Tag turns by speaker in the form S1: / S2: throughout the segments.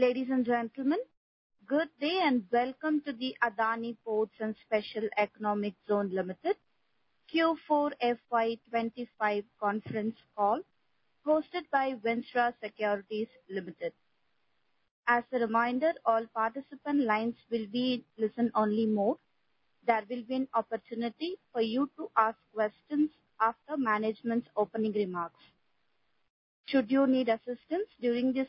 S1: Ladies and gentlemen, good day and welcome to the Adani Ports and Special Economic Zone Limited Q4FY25 conference call hosted by Ventura Securities Limited. As a reminder, all participant lines will be listen-only mode. There will be an opportunity for you to ask questions after management's opening remarks. Should you need assistance during this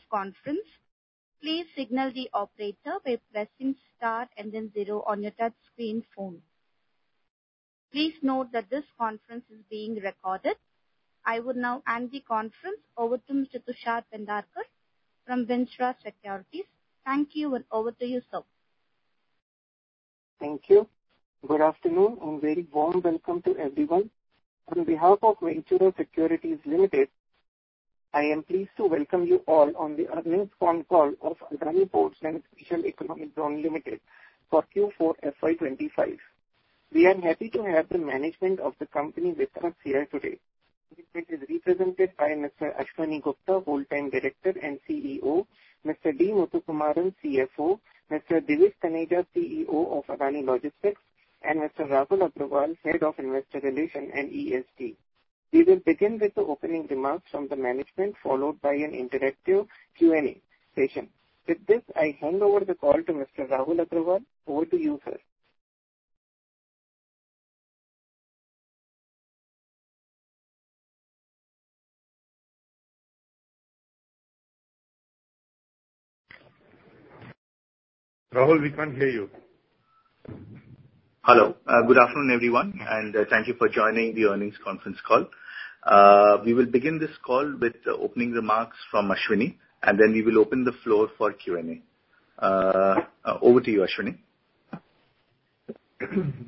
S1: conference, please signal the operator by pressing star and then zero on your touchscreen phone. Please note that this conference is being recorded. I would now hand the conference over to Mr. Tushar Pendharkar from Ventura Securities. Thank you. And over to you, sir.
S2: Thank you. Good afternoon and very warm welcome to everyone. On behalf of Ventura Securities Limited, I am pleased to welcome you all on the Earnings Phone Call of Adani Ports and Special Economic Zone Limited for Q4 FY 2025. We are happy to have the management of the company with us here today. It is represented by Mr. Ashwani Gupta, Whole Time Director and CEO, Mr. D. Muthukumaran, CFO, Mr. Divij Taneja, CEO of Adani Logistics, and Mr. Rahul Agarwal, Head of Investor Relations and ESG. We will begin with the opening remarks from the management followed by an interactive Q and A session. With this I hand over the call to Mr. Rahul Agarwal. Over to you sir.
S3: Rahul, we can't hear you. Hello.
S4: Good afternoon everyone and thank you for joining the Earnings Conference Call. We will begin this call with opening remarks from Ashwani and then we will open the floor for Q&A. Over to you, Ashwani.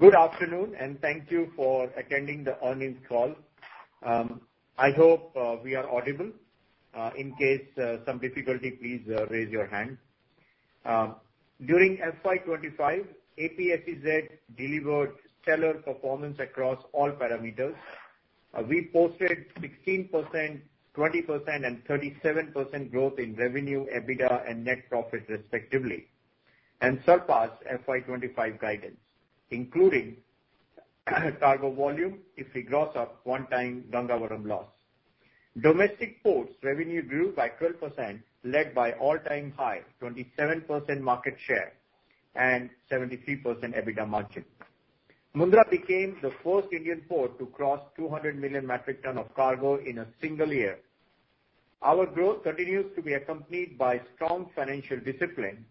S5: Good afternoon and thank you for attending the earnings call. I hope we are audible. In case of some difficulty, please raise your hand. During FY 2025 APSEZ delivered stellar performance across all parameters. We posted 16%, 20%, and 37% growth in revenue, EBITDA, and net profit respectively, and surpassed FY 2025 guidance including cargo volume. If we gross up the one-time Gangavaram loss, domestic ports revenue grew by 12% led by all-time high 27% market share and 73% EBITDA margin. Mundra became the first Indian port to cross 200 million metric ton of cargo in a single year. Our growth continues to be accompanied by strong financial discipline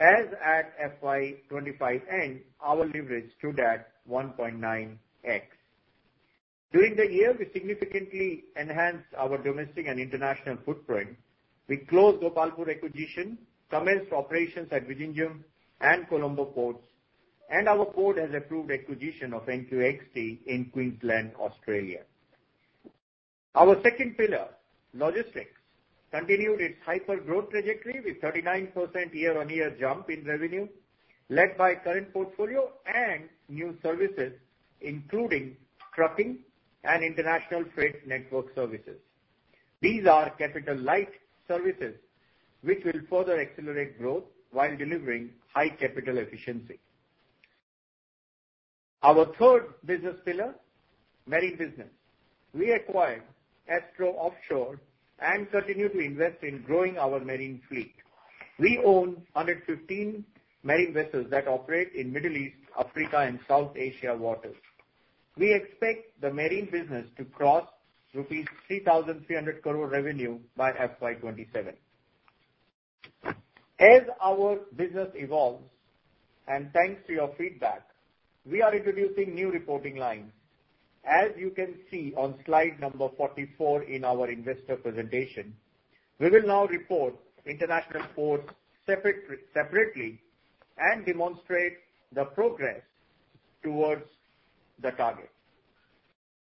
S5: as at FY 2025 our leverage stood at 1.9x during the year. We significantly enhanced our domestic and international footprint. We closed Gopalpur acquisition, commenced operations at Vizhinjam and Colombo ports, and our board has approved acquisition of NQXT in Queensland, Australia. Our second pillar Logistics continued its hyper growth trajectory with 39% year-on-year jump in revenue led by current portfolio and new services including trucking and international freight network services. These are capital-light services which will further accelerate growth while delivering high capital efficiency. Our third business pillar, Marine Business. We acquired Astro Offshore and continue to invest in growing our marine fleet. We own 115 marine vessels that operate in Middle East, Africa, and South Asia waters. We expect the marine business to cross rupees 3,300 crore revenue by FY 2027. As our business evolves and thanks to your feedback we are introducing new reporting lines. As you can see on slide number 44 in our investor presentation, we will now report international ports separately and demonstrate the progress towards the target.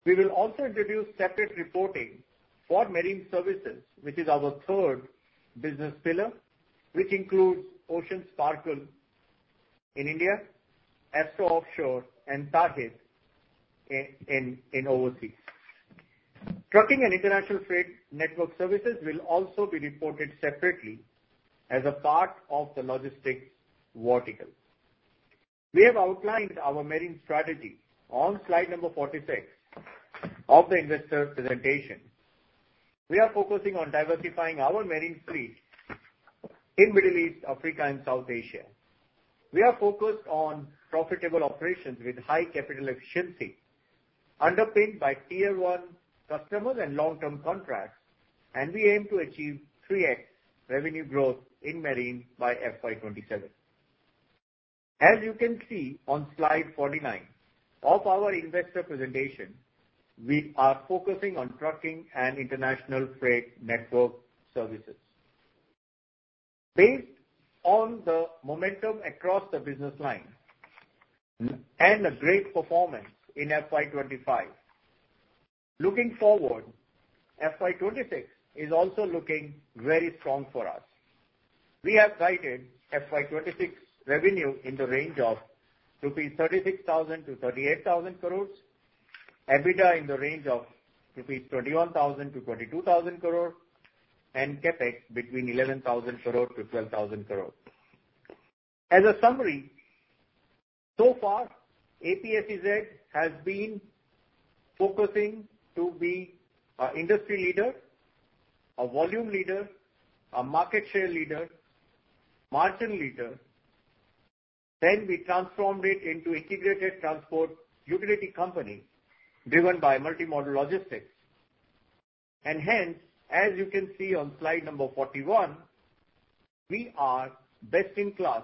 S5: We will also introduce separate reporting for marine services, which is our third business pillar, which includes Ocean Sparkle in India, ASTRO Offshore, and TAHID in overseas trucking and international freight network services will also be reported separately as a part of the logistics vertical. We have outlined our marine strategy on slide number 46 of the investor presentation. We are focusing on diversifying our marine fleet in Middle East, Africa, and South Asia. We are focused on profitable operations with high capital efficiency underpinned by Tier one customers and long term contracts, and we aim to achieve 3x revenue growth in marine by FY 2027. As you can see on slide 49 of our investor presentation, we are focusing on trucking and international freight network services based on the momentum across the business line and a great performance in FY 2025. Looking forward, FY 2026 is also looking very strong for us. We have guided FY 2026 revenue in the range of rupees 36,000-38,000 crore, EBITDA in the range of rupees 21,000-22,000 crore and capex between 11,000. 10,000 crore-INR 12,000 crore. As a summary so far APSEZ has been focusing to be an industry leader, a volume leader, a market share leader, margin leader. Then we transformed it into integrated transport utility company driven by multimodal logistics and hence as you can see on slide number 41 we are best in class,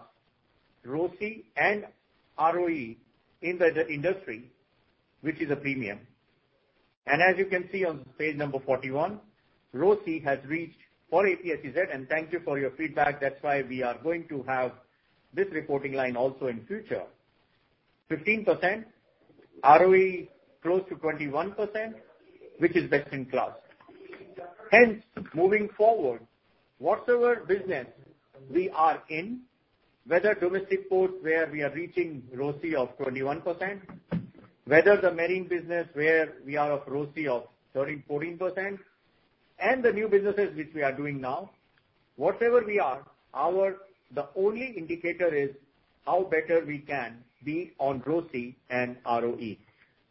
S5: ROCE and ROE in the industry which is a premium and as you can see on page number 41 ROCE has reached for APSEZ and thank you for your feedback. That's why we are going to have this reporting line also in future 15% ROE close to 21% which is best in class. Hence moving forward whatever business we are in, whether domestic ports where we are reaching ROCE of 21%, whether the marine business where we are of ROCE of 13, 14% and the new businesses which we are doing now whatever we are. Our only indicator is how better we can be on ROCE and ROE.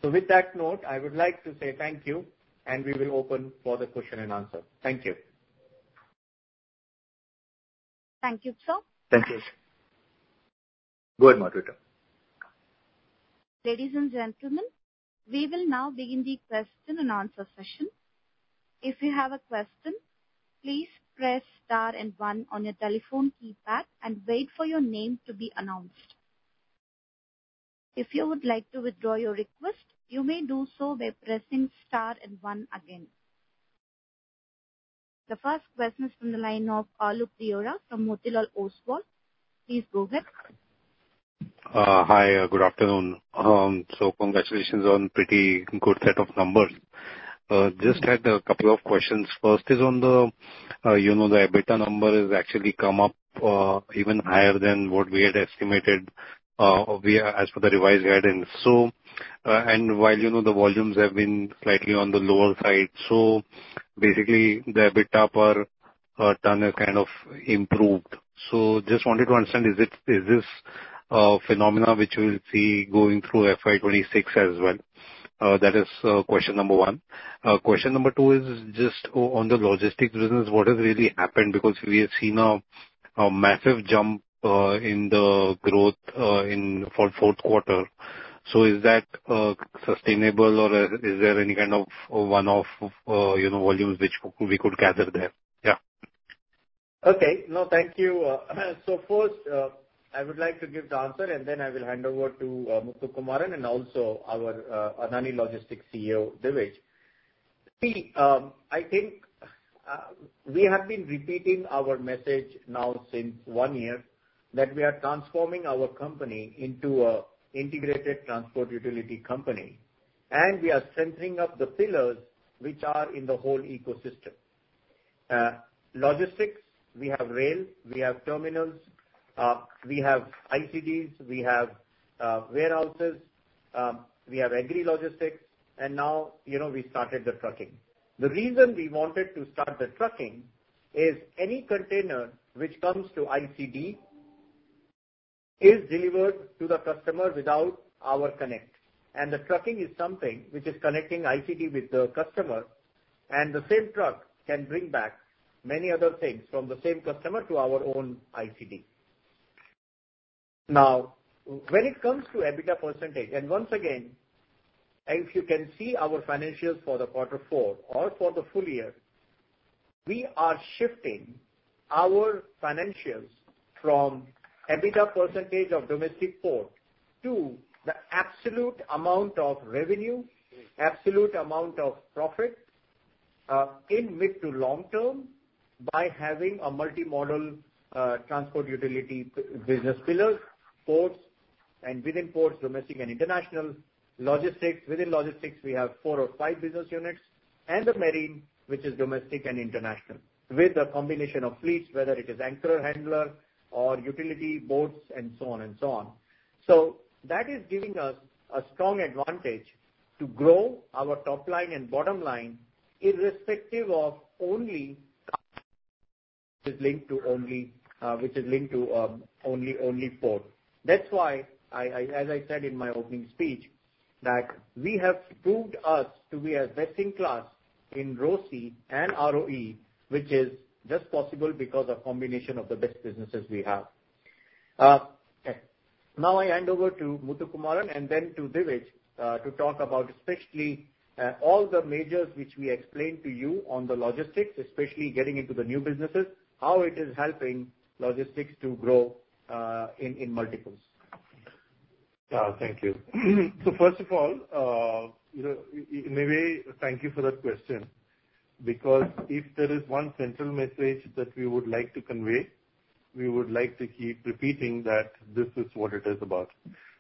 S5: So with that note I would like to say thank you and we will open for the question and answer. Thank you.
S1: Thank you, sir.
S5: Thank you.
S4: Go ahead, Margarita.
S1: Ladies and gentlemen, we will now begin the question and answer session. If you have a question, please press star and one on your telephone keypad and wait for your name to be announced. If you would like to withdraw your request, you may do so by pressing star and one again. The first question is from the line of Alok Deora from Motilal Oswal. Please go ahead.
S6: Hi, good afternoon. Congratulations on a pretty good set of numbers. I just had a couple of questions. First is on the, you know, the EBITDA number has actually come up even higher than what we had estimated as per the revised guidance. While, you know, the volumes have been slightly on the lower side, basically the EBITDA per ton has kind of improved. I just wanted to understand, is this a phenomenon which we will see going through FY 2026 as well? That is question number one. Question number two is just on the logistics business. What has really happened because we have seen a massive jump in the growth in the fourth quarter. Is that sustainable or is there any kind of one-off volumes which we could gather there?
S5: Yeah, okay. No, thank you. First I would like to give the answer and then I will hand over to Muthukumaran and also our Adani Logistics CEO Divij. I think we have been repeating our message now since one year that we are transforming our company into an integrated transport utility company. We are strengthening up the pillars which are in the whole ecosystem. Logistics. We have rail, we have terminals, we have ICDs, we have warehouses, we have agri logistics. Now we started the trucking. The reason we wanted to start the trucking is any container which comes to ICD is delivered to the customer without our connect. The trucking is something which is connecting ICD with the customer. The same truck can bring back many other things from the same customer to our own ICD. Now when it comes to EBITDA percentage and once again if you can see our financials for the quarter four or for the full year, we are shifting our financials from EBITDA percentage of domestic port to the absolute amount of revenue, absolute amount of profit in mid to long term by having a multimodal transport utility business. Pillars, ports and within ports, domestic and international logistics. Within logistics we have four or five business units and the Marine which is domestic and international with a combination of fleets, whether it is anchor handler or utility boats and so on and so on. That is giving us a strong advantage to grow our top line and bottom line irrespective of only. Which is. Linked to only port. That's why, as I said in my opening speech, that we have proved us to be as best in class in ROCE and ROE which is just possible because of combination of the best businesses we have. Now I hand over to Muthukumaran and then to Divij to talk about especially all the majors which we explained to you on the logistics, especially getting into the new businesses, how it is helping logistics to grow in multiples.
S3: Thank you. First of all, in a way thank you for that question because if there is one central message that we would like to convey, we would like to keep repeating that this is what it is about.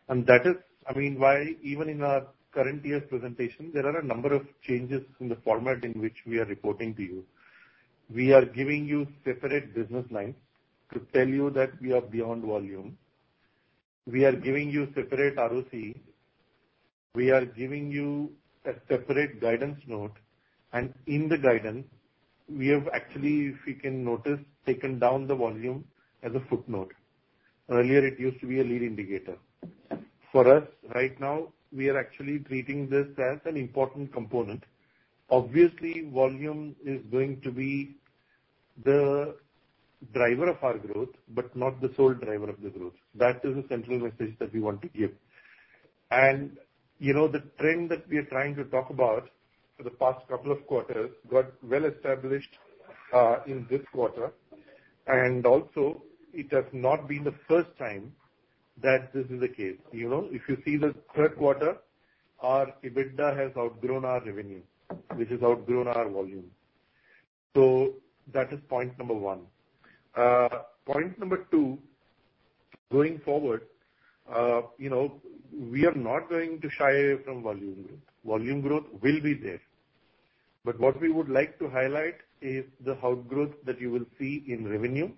S3: I mean, why even in our current year's presentation there are a number of changes in the format in which we are reporting to you. We are giving you separate business lines to tell you that we are beyond volume. We are giving you separate ROCE. We are giving you a separate guidance note. In the guidance we have actually, if you can notice, taken down the volume as a footnote. Earlier it used to be a lead indicator for us. Right now we are actually treating this as an important component. Obviously volume is going to be the driver of our growth, but not the sole driver of the growth. That is the central message that we want to give. The trend that we are trying to talk about for the past couple of quarters got well established in this quarter. It has not been the. First time that this is the case. If you see the third quarter, our EBITDA has outgrown our revenue, which has outgrown our volume. That is point number one. Point number two, going forward we are not going to shy away from volume growth. Volume growth will be there. What we would like to highlight is the outgrowth that you will see in revenue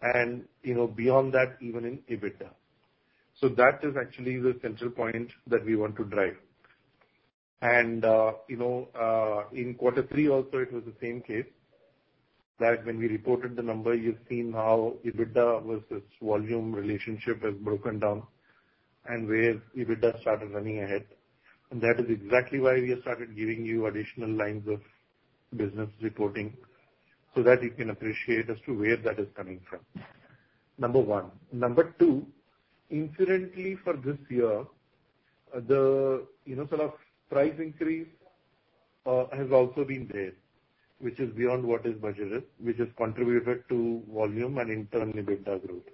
S3: and beyond that even in EBITDA. That is actually the central point that we want to drive. In quarter three also it was the same case that when we reported the number, you've seen how EBITDA versus volume relationship has broken down and where EBITDA started running ahead. That is exactly why we have started giving you additional lines of business reporting so that you can appreciate as to where that is coming from, number one. Number two, incidentally, for this year the price increase has also been there, which is beyond what is budgeted, which has contributed to volume and internal EBITDA growth.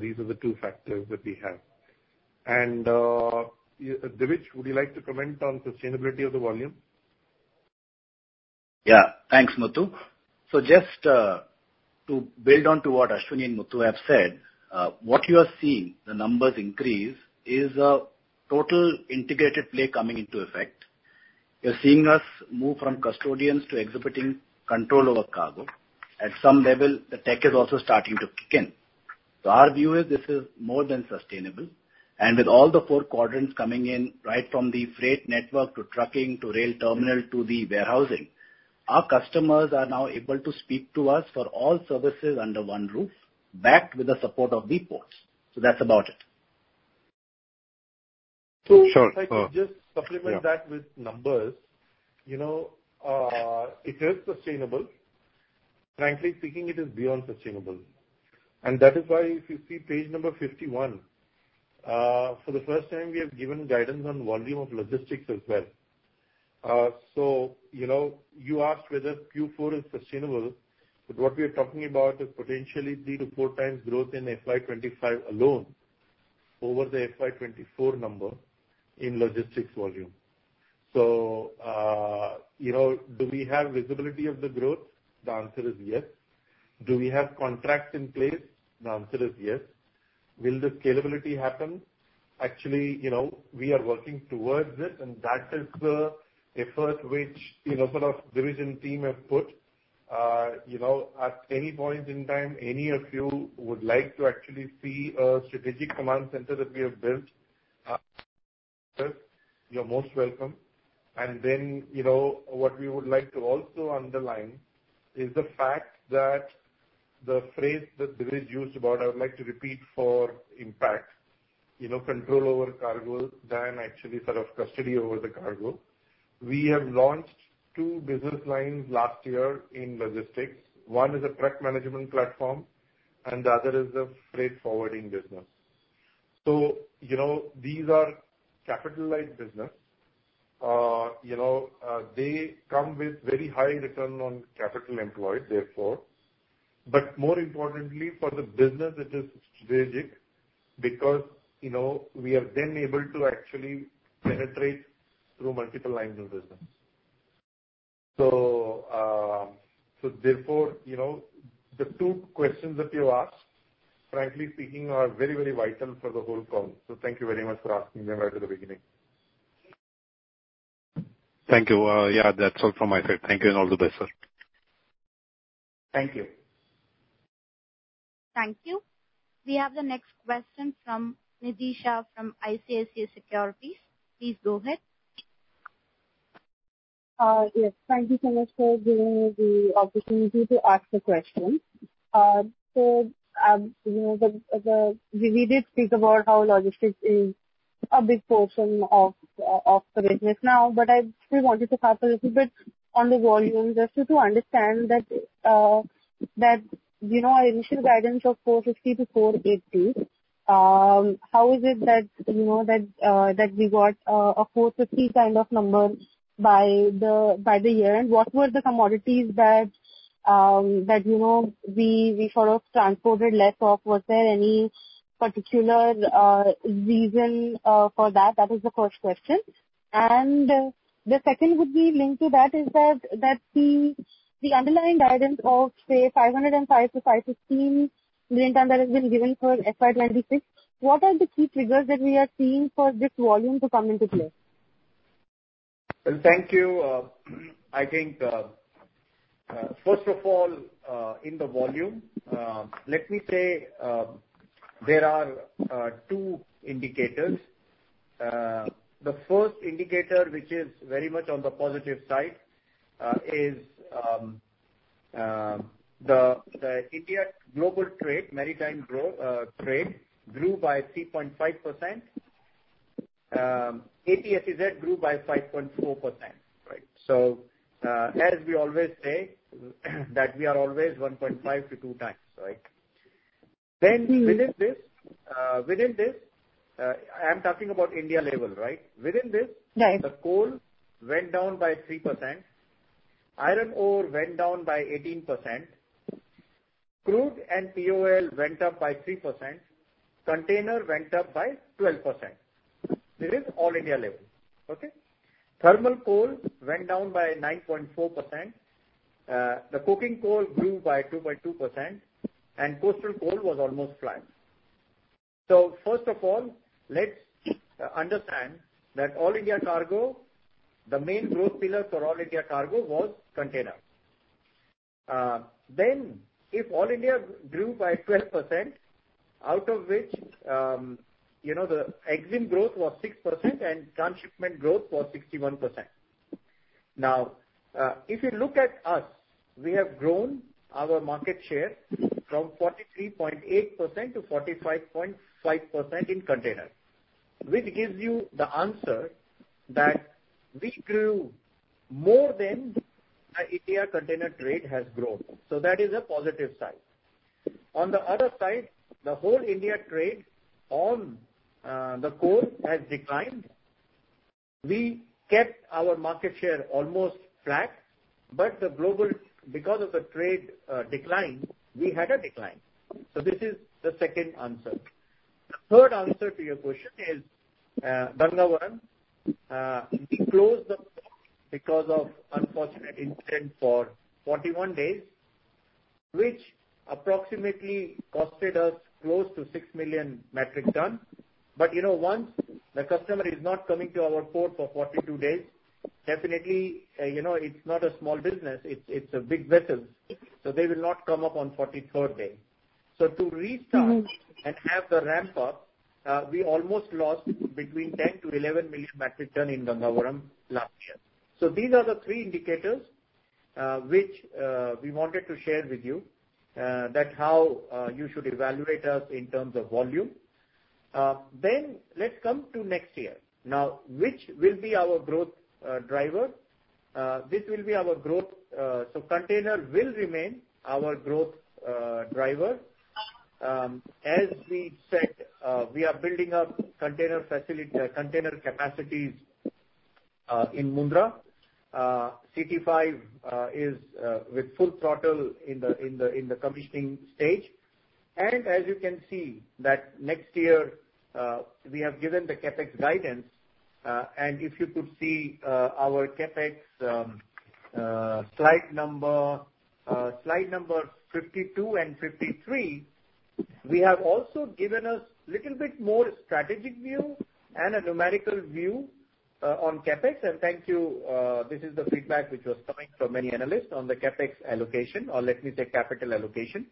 S3: These are the two factors that we have. Divij, would you like to comment on sustainability of the volume?
S7: Yeah, thanks Muthu. Just to build onto what Ashwani and Muthu have said, what you are seeing the numbers increase is a total integrated play coming into effect. You're seeing us move from custodians to exhibiting countries control over cargo. At some level the tech is also starting to kick in. Our view is this is more than sustainable. With all the four quadrants coming in right, from the freight network to trucking to rail terminal to the warehousing, our customers are now able to speak to us for all services under one roof backed with the support of the ports. That's about it.
S6: Sure,
S3: just supplement that with numbers. You know, it is sustainable. Frankly speaking, it is beyond sustainable. That is why if you see page number 51, for the first time we have given guidance on volume of logistics as well. You know, you asked whether Q4 is sustainable, but what we are talking about is potentially 3-4 times growth in FY 2025 alone over the FY 2024 number in logistics volume. Do we have visibility of the growth? The answer is yes. Do we have contracts in place? The answer is yes. Will the scalability happen? Actually, we are working towards it. That is the effort which division team have put. At any point in time, any of you would like to actually see a Strategic Command Center that we have built, you are most welcome. What we would like to also underline is the fact that the phrase that Divij used about, I would like to repeat for impact, control over cargo than actually sort of custody over the cargo. We have launched two business lines last year in logistics. One is a truck management platform and the other is the freight forwarding business. These are capitalized businesses. They come with very high return on capital employed, therefore. More importantly for the business, it is strategic because we have been able to actually penetrate through multiple lines of business. Therefore, you know, the two questions that you asked, frankly speaking, are very, very vital for the whole call. Thank you very much for asking them right at the beginning.
S6: Thank you. Yeah, that's all from my side. Thank you and all the best, sir.
S5: Thank you.
S1: Thank you. We have the next question from Nidhi Shah from ICICI Securities. Please go ahead.
S8: Yes, thank you so much for giving me the opportunity to ask the question. We did speak about how logistics is a big portion of the business now. I still wanted to harp a little bit on the volume just to understand that, you know, our initial guidance of 450-480, how is it that, you know, we got a 450 kind of number by the year end and what were the commodities that, you know, we sort of transported less of? Was there any particular reason for that? That is the first question. The second would be linked to that, that the underlying guidance of, say, 505-515 million that has been given for FY 2026. What are the key triggers that we are seeing for this volume to come into play?
S5: Thank you. I think first of all in the volume, let me say there are two indicators. The first indicator which is very much on the positive side is the India global trade. Maritime trade grew by 3.5%. APSEZ grew by 5.4%. As we always say that we are always 1.5-2 times, right? Then within this, I'm talking about India level, right? Within this the coal went down by 3%. Iron ore went down by 18%. Crude and POL went up by 3%. Container went up by 12%. This is all India level. Thermal coal went down by 9.4%. The coking coal grew by 2.2% and coastal coal was almost flat. First of all let's understand that all India cargo, the main growth pillar for all India cargo was controlled container. If all India grew by 12% out of which the EXIM growth was 6% and transshipment growth was 61%. Now if you look at us, we have grown our market share from 43.8% to 45.5% in container. Which gives you the answer that we grew more than the India container trade has grown. That is a positive side. On the other side, the whole India trade on the coal has declined. We kept our market share almost flat. Because of the global trade decline, we had a decline. This is the second answer. The third answer to your question is Gangavaram. We closed the port because of an unfortunate incident for 41 days which approximately cost us close to 6 million metric ton. You know, once the customer is not coming to our port for 42 days, definitely, you know, it's not a small business, it's a big vessel. They will not come up on the 43rd day. To restart and have the ramp up, we almost lost between 10 million-11 million back return in Gangavaram last year. These are the three indicators which we wanted to share with you that show how you should evaluate us in terms of volume. Let's come to next year now, which will be our growth driver. This will be our growth, so container will remain our growth driver. As we said, we are building up container facility, container capacities in Mundra. CT5 is with full throttle in the commissioning stage. As you can see, next year we have given the CapEx guidance, and if you could see our CapEx slide number 52 and 53, we have also given a little bit more strategic view and a numerical view on CapEx. Thank you. This is the feedback which was coming from many analysts on the CapEx allocation, or let me say capital allocation.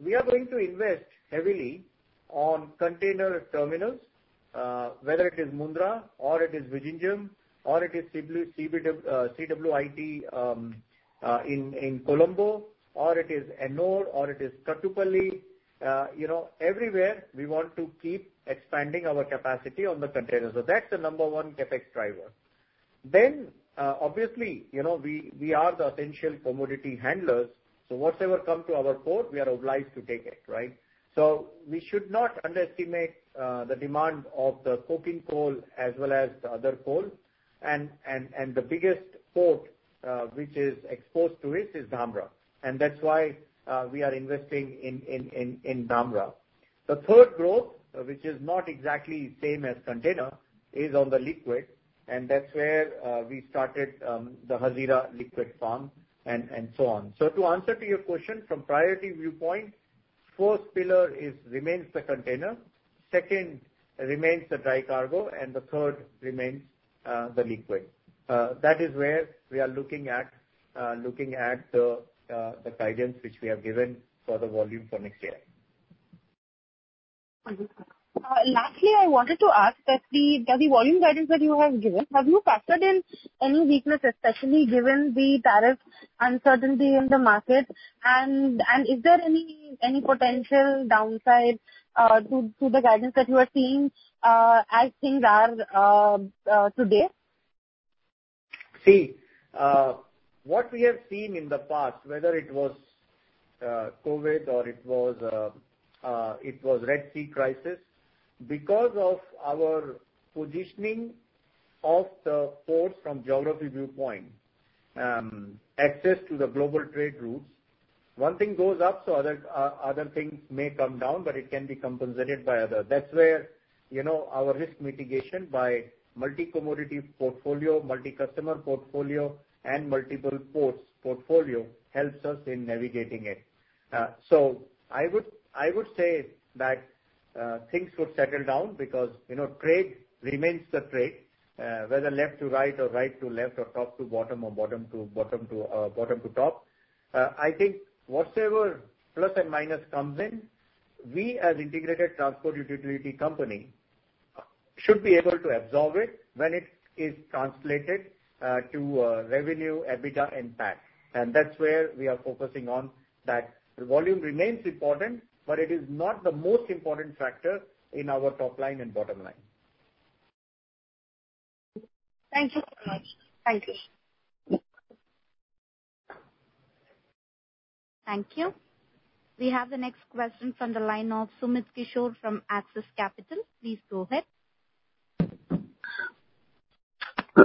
S5: We are going to invest heavily on container terminals. Whether it is Mundra or it is Vizhinjam or it is CWIT in Colombo or it is Ennore or it is Kattupalli, you know, everywhere we want to keep expanding our capacity on the container. That's the number one CapEx driver. Obviously, you know, we are the essential commodity handlers, so whatever comes to our port we are obliged to take it, right? We should not underestimate the demand of the coking coal as well as the other coal. The biggest port which is exposed to it is Dhamra, and that is why we are investing in Dhamra. The third growth, which is not exactly same as container, is on the liquid, and that is where we started the Hazira liquid farm and so on. To answer your question, from priority viewpoint, fourth pillar remains the container, second remains the dry cargo, and the third remains the liquid. That is where we are looking at the guidance which we have given for the volume for next year.
S8: Lastly, I wanted to ask that the volume guidance that you have given, have you factored in any weakness especially given the tariff uncertainty in the market, and is there any potential downside to the guidance that you are seeing as things are today?
S5: See what we have seen in the past, whether it was COVID or it was Red Sea crisis, because of our positioning of the ports from geography viewpoint. Access to the global trade routes, one. Thing goes up so other things may come down but it can be compensated by other. That's where our risk mitigation by multicommodity portfolio, multi customer portfolio and multiple ports portfolio helps us in navigating it. I would say that things would settle down because trade remains the trade whether left to right or right to left or top to bottom or bottom to top, I think whatever. Plus and minus comes in. We as integrated transport utility company should be able to absorb it when it is translated to revenue EBITDA impact and that's where we are focusing on that. The volume remains important but it is not the most important factor in our top line and bottom line.
S8: Thank you so much. Thank you.
S1: Thank you. We have the next question from the line of Sumit Kishore from Axis Capital. Please go ahead.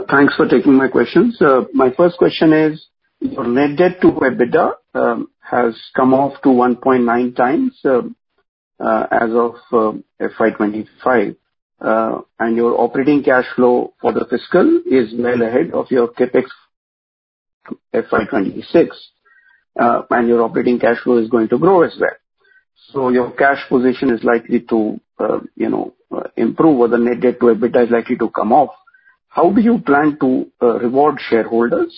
S9: Thanks for taking my questions. My first question is net debt to EBITDA has come off to 1.9 times as of FY 2025 and your operating cash flow for the fiscal is well ahead of your CapEx FY 2026 and your operating cash flow is going to grow as well. Your cash position is likely to improve or the net debt to EBITDA is likely to come off. How do you plan to reward shareholders?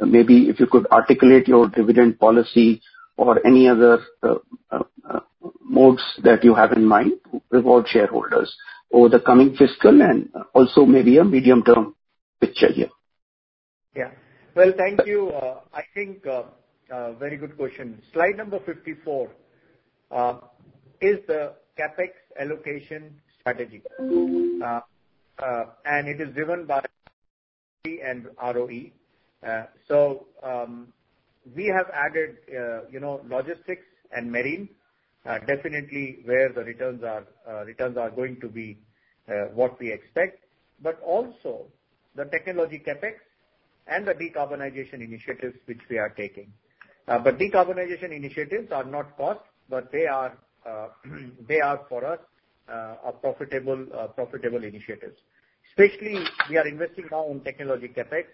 S9: Maybe if you could articulate your dividend policy or any other modes that you have in mind to reward shareholders over the coming fiscal and also maybe a medium term picture here.
S5: Yeah, thank you. I think very good question. Slide number 54 is the CapEx allocation strategy and it is driven by and ROE. We have added logistics and marine. Definitely where the returns are. Returns are going to be what we expect. But also the technology CapEx and the decarbonization initiatives which we are taking. Decarbonization initiatives are not cost but they are for us profitable initiatives. Especially we are investing now on technology CapEx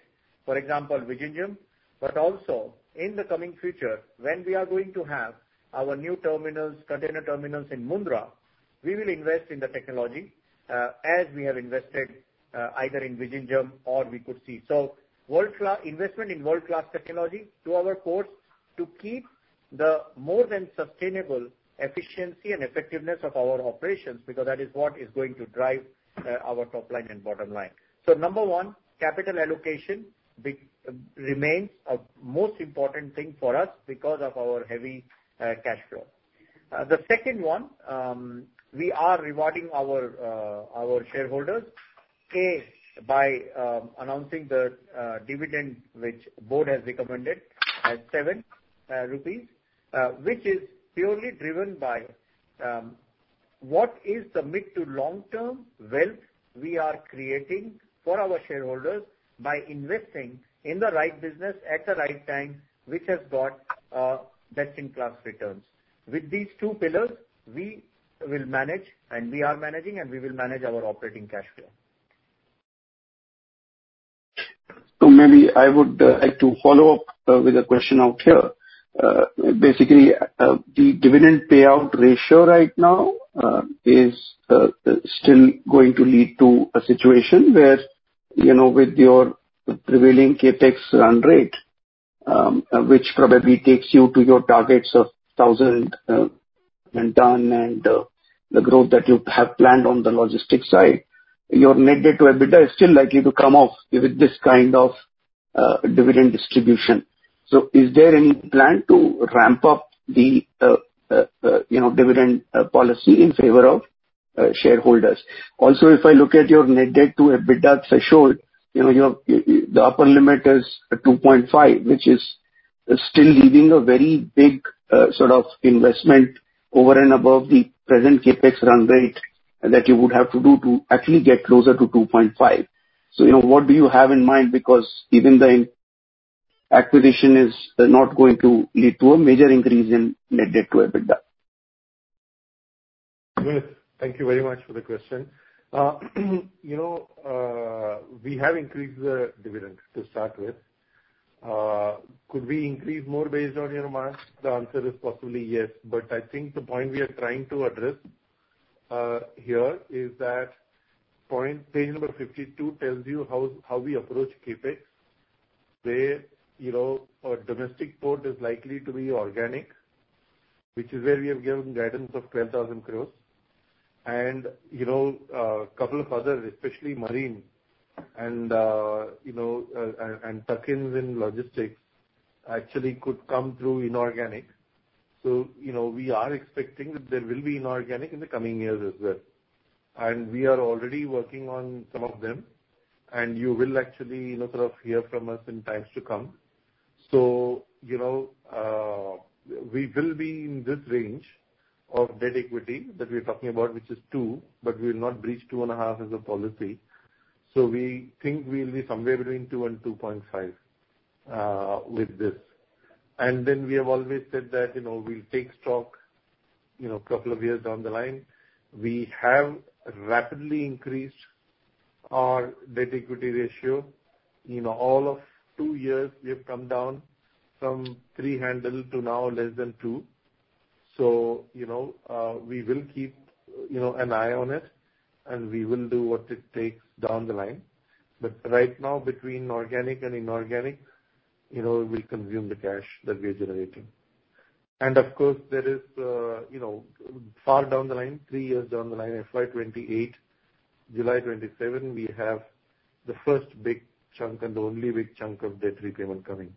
S5: for example Vizhinjam but also in the coming future when we are going to have our new terminals, container terminals in Mundra, we will invest in the technology as we have invested either in Vizhinjam or we could see investment in world-class technology to our course to keep the more than sustainable efficiency and effectiveness of our operations because that is what is going to drive our top line and bottom line. Number one, capital allocation remains a most important thing for us because of our heavy cash flow. The second one, we are rewarding our shareholders by announcing the dividend which board has recommended at 7 rupees, which is purely driven by what is the mid to long term wealth we are creating for our shareholders by investing in the right business at the right time which has got best-in-class returns. With these two pillars we will manage and we are managing and we will manage our operating cash flow.
S9: Maybe I would like to follow. Up with a question out here. Basically the dividend payout ratio right now is still going to lead to a situation where with your prevailing CapEx run rate which probably takes you to your targets of thousand and done. And the growth that you have planned on the logistics side, your net debt to EBITDA is still likely to come off with this kind of dividend distribution. Is there any plan to ramp up the dividend policy in favor of shareholders? Also if I look at your net debt to EBITDA threshold, the upper limit is two point five, which is still leaving a very big sort of investment over and above the present CapEx run rate that you would have to do to actually get closer to two point five. What do you have in mind? Because even then acquisition is not going to lead to a major increase in net debt to EBITDA.
S3: Thank you very much for the question. You know we have increased the dividend to start with. Could we increase more based on your marks? The answer is possibly yes. I think the point we are trying to address here is that point page number 52 tells you how we approach CapEx, where you know, a domestic port is likely to be organic, which is where we have given guidance of 12,000 crore and you know, a couple of other, especially marine and you know, and tuck-ins in logistics actually could come through inorganic. You know, we are expecting that there will be inorganic in the coming years as well. We are already working on some of them. You will actually sort of hear from us in times to come. You know, we will be in this range of debt equity that we are talking about, which is two, but we will not breach two and a half as a policy. We think we'll be somewhere between two and two point five with this. We have always said that, you know, we'll take stock a couple of years down the line. We have rapidly increased our debt equity ratio in all of two years. We have come down from three handle to now less than two. We will keep an eye on it and we will do what it takes down the line. Right now between organic and inorganic, we consume the cash that we are generating. Of course, there is far down the line, three years down the line. FY 2028, July 27, we have the first big chunk and the only big chunk of debt repayment coming.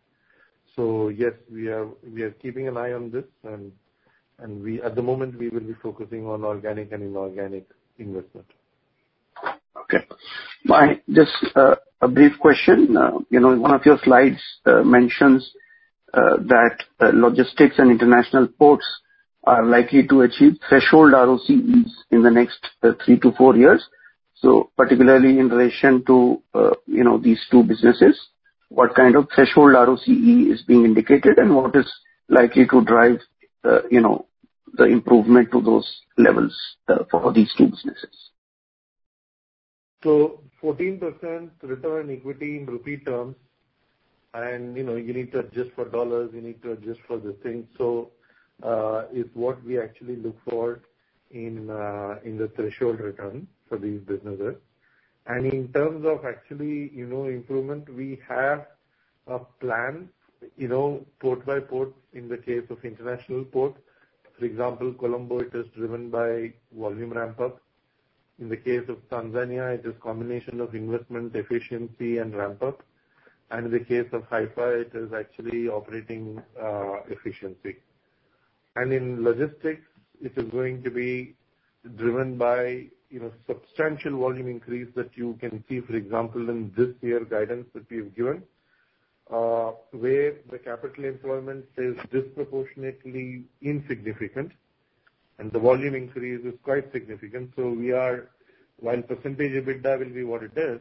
S3: Yes, we are keeping an eye on this and at the moment we will be focusing on organic and inorganic investment.
S9: Okay, just a brief question. One of your slides mentions that logistics and international ports are likely to achieve threshold ROCEs in the next three to four years. So particularly in relation to, you know, these two businesses, what kind of threshold ROCE is being indicated and what is likely to drive you know the improvement to those levels for these two businesses.
S3: 14% return on equity in INR terms and you need to adjust for dollars, you need to adjust for the thing. It is what we actually look for in the threshold return for these businesses. In terms of actual improvement, we have a plan port by port. In the case of international port, for example Colombo, it is driven by volume ramp up. In the case of Tanzania, it is a combination of investment efficiency and ramp up. In the case of Haifa, it is actually operating efficiency. In logistics, it is going to be driven by substantial volume increase. That you can see, for example, in this year guidance that we have given where the capital employment is disproportionately insignificant and the volume increase is quite significant. We are, while percentage EBITDA will be what it is,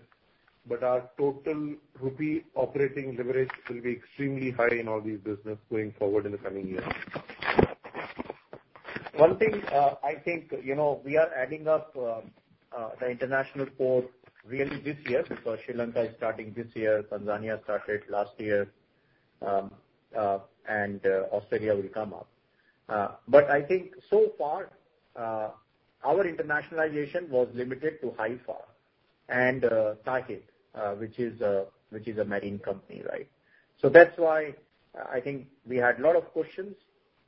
S3: but our total INR operating leverage will be extremely high in all these business going forward in the coming years.
S5: One thing I think, you know, we are adding up the international port really this year because Sri Lanka is starting this year, Tanzania started last year, and Australia will come up. I think so far our internationalization was limited to Haifa and TAHID, which is a marine company, right? That is why I think we had a lot of questions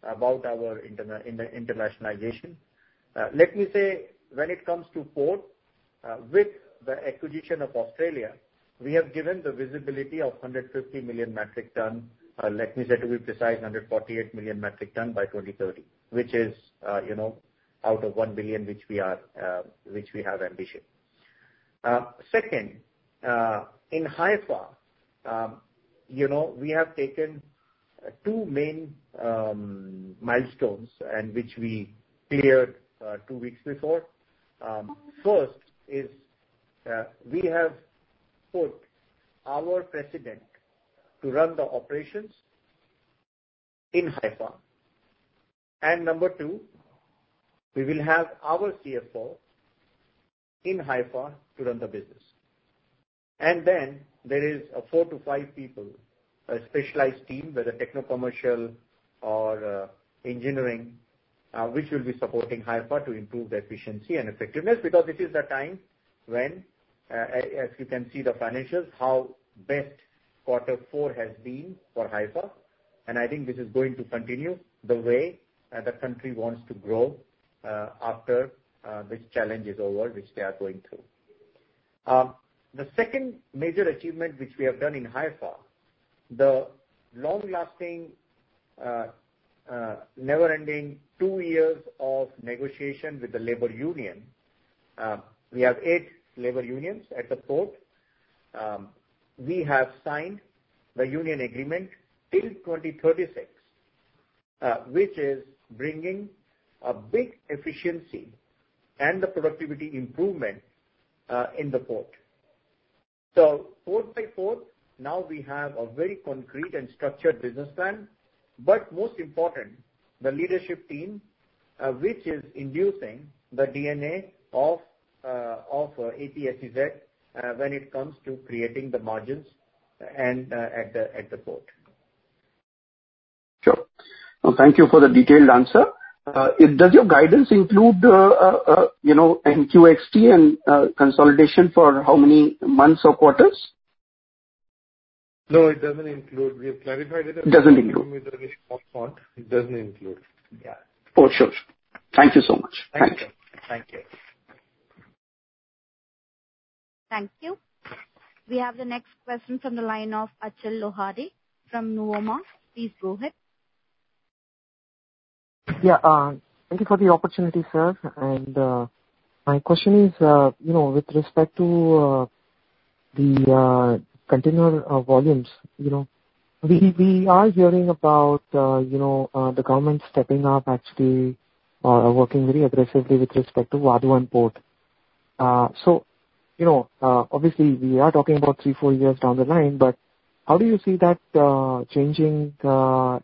S5: about our internationalization. Let me say when it comes to port, with the acquisition of Australia, we have given the visibility of 150 million metric tons of, let me say, to be precise, 148 million metric ton by 2030. Which is, you know, out of one. Billion, which we are, which we have ambition. Second, in Haifa, you know, we have taken two main milestones and which we cleared two weeks before. First is we have put our President to run the operations in Haifa. Number two, we will have our CFO in Haifa to run the business. Then there is four to five people, a specialized team, whether techno, commercial, or engineering, which will be supporting Haifa to improve the efficiency and effectiveness. Because it is the time when, as you can see the financials, how best quarter four has been for Haifa. I think this is going to continue the way the country wants to grow after this challenge is over, which they are going through. The second major achievement which we have done in Haifa, the long-lasting, never-ending two years of negotiation with the labor union. We have eight labor unions at the port. We have signed the union agreement till 2036, which is bringing a big efficiency and the productivity improvement in the port. Port by port now we have a very concrete and structured business plan. Most important, the leadership team which is inducing the DNA of APSEZ when it comes to creating the margins and at the port?
S9: Sure. Thank you for the detailed answer. Does your guidance include NQXT and consolidation for how many months or quarters?
S3: No, it doesn't include. We have clarified.
S9: It doesn't include.
S3: It doesn't include. Yeah,
S9: for sure.
S5: Thank you so much. Thank you.
S1: Thank you. We have the next question from the line of Achal Lohade from Nuvama. Please go ahead.
S10: Yeah, thank you for the opportunity, sir. My question is, you know, with respect to the container volumes, you know, we are hearing about, you know, the government stepping up, actually working very aggressively with respect to Wadhuan port. Obviously, we are talking about three-four years down the line. How do you see that changing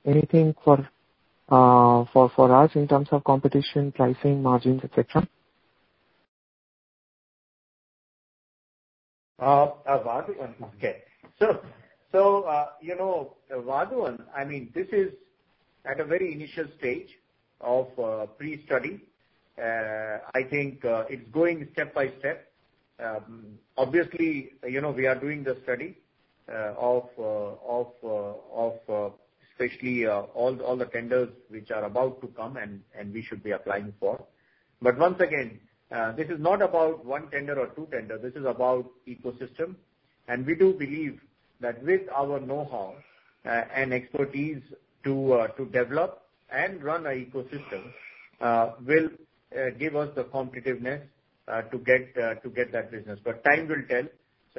S10: anything for us in terms of competition, pricing, margins, etc.?
S5: I mean, this is at a very initial stage of pre study. I think it's going step by step. Obviously, you know, we are doing the study of especially all the tenders which are about to come and we should be applying for. Once again, this is not about one tender or two tender. This is about ecosystem. We do believe that with our know-how and expertise to develop and run an ecosystem will give us the competitiveness to get that business. Time will tell.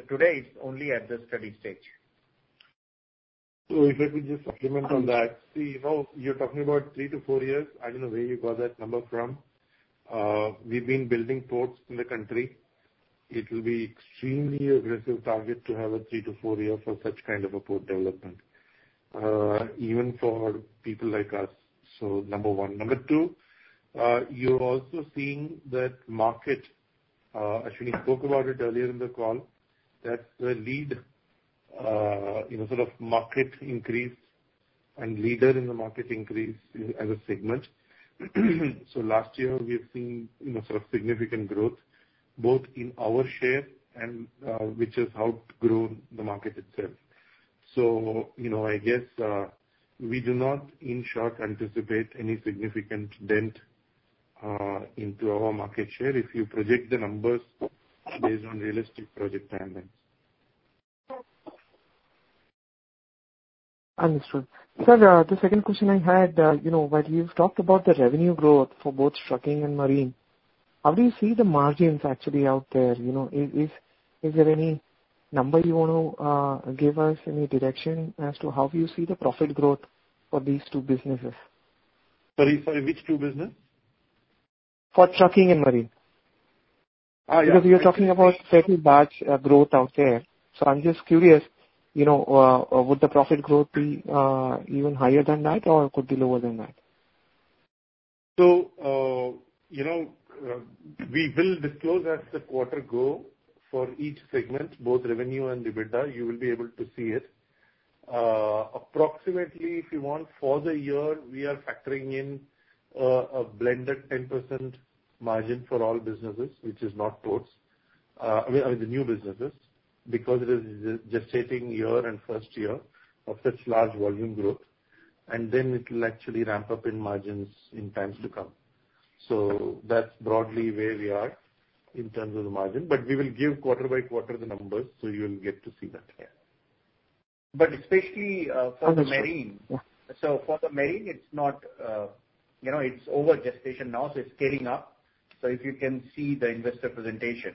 S5: Today it's only at the study stage.
S3: If I could just supplement on that. See, you're talking about three to four years. I don't know where you got that number from. We've been building ports in the country. It would be an extremely aggressive target to have a three- to four-year timeline for such kind of a port development, even for people like us. Number one. Number two, you're also seeing that market. Ashwani spoke about it earlier in the call, that the lead sort of market increase and leader in the market increase as a segment. Last year we have seen significant growth both in our share, which has helped grow the market itself. I guess we do not, in short, anticipate any significant dent into our market share if you predict the numbers based on realistic project timelines.
S10: Understood sir. The second question I had, you know, while you've talked about the revenue growth for both trucking and marine, how do you see the margins actually out there? You know, is there any number you want to give us, any direction as to how you see the profit growth for these two businesses?
S3: Which two businesses?
S10: For Trucking and Marine? Because you're talking about certain batch growth out there. I'm just curious, you know, would the profit growth be even higher than that or could it be lower than that?
S3: You know, we will disclose as the quarter go for each segment, both revenue and EBITDA, you will be able to see it. Approximately, if you want, for the year we are factoring in a blended 10% margin for all businesses, which is not ports, the new businesses, because it is gestating year and first year of such large volume growth and then it will actually ramp up in margins in times to come. That is broadly where we are in terms of the margin. We will give quarter by quarter the numbers. You will get to see that.
S5: Especially for the marine. For the marine, it's not, you know, it's over gestation now, so it's scaling up. If you can see the investor presentation,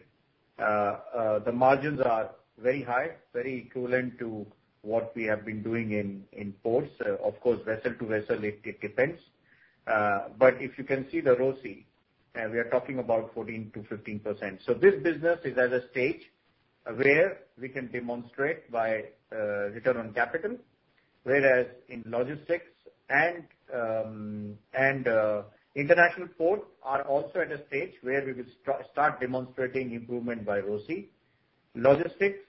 S5: the margins are very high, very equivalent to what we have been doing in ports. Of course, vessel to vessel, it depends. If you can see the ROCE, we are talking about 14-15%. This business is at a stage where we can demonstrate by return on capital. Whereas in logistics and international port are also at a stage where we will start demonstrating improvement by ROCE. Logistics,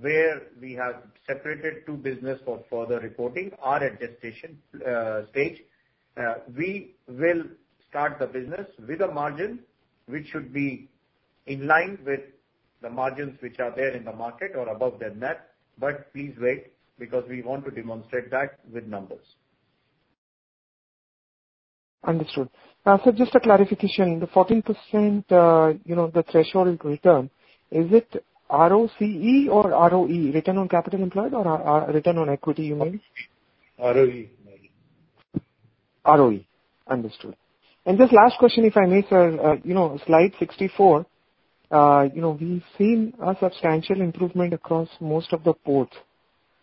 S5: where we have separated two business for further reporting, are at gestation stage. We will start the business with a margin which should be in line with the margins which are there in the market or above their net. Please wait because we want to demonstrate that with numbers.
S10: Understood, sir, just a clarification. The 14%, the threshold return, is it ROCE or ROE? Return on capital employed or return on equity? You ROE, understood. This last question if I may sir, you know, slide 64. You know, we've seen a substantial improvement across most of the ports.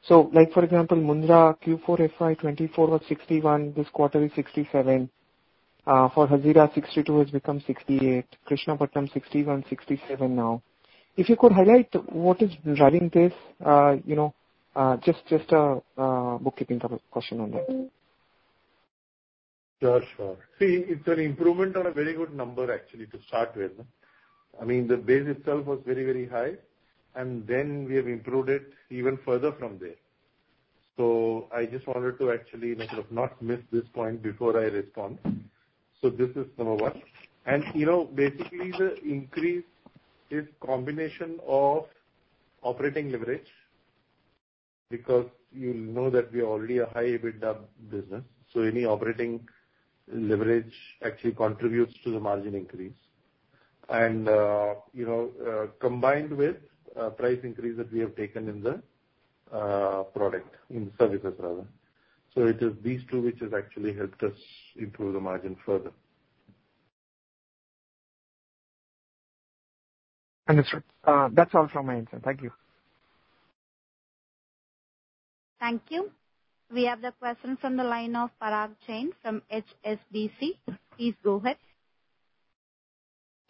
S10: Like for example Mundra Q4, FY2024 was 61. This quarter is 67. For Hazira, 62 has become 68. Krishnapatnam 61, 67. Now if you could highlight what is driving this, you know, just a bookkeeping question on that.
S3: Sure, sure. See, it is an improvement on a very good number actually to start with. I mean, the base itself was very, very high. I mean, we have improved it even further from there. I just wanted to actually not miss this point before I respond. This is number one. You know, basically the increase is a combination of operating leverage because you know that we already are a high EBITDA business. Any operating leverage actually contributes to the margin increase, combined with the price increase that we have taken in the product, in services rather, so it is these two which have actually helped us improve the margin further.
S10: Understood. That's all from my answer. Thank you.
S1: Thank you. We have the question from the line of Parash Jain from HSBC. Please go ahead.